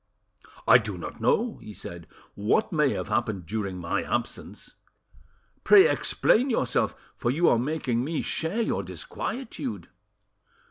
"I do not know," he said, "what may have happened during my absence; pray explain yourself, for you are making me share your disquietude."